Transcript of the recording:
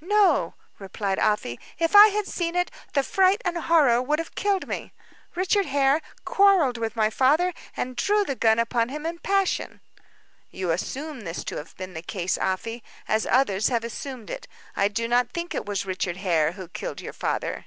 "No," replied Afy. "If I had seen it, the fright and horror would have killed me. Richard Hare quarreled with my father, and drew the gun upon him in passion." "You assume this to have been the case, Afy, as others have assumed it. I do not think that it was Richard Hare who killed your father."